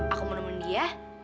aku mau nemen dia